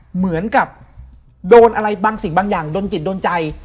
เหมือนกับโดนอะไรบางสิ่งบางอย่างโดนจิตโดนใจ